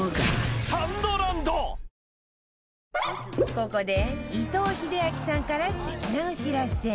ここで伊藤英明さんから素敵なお知らせ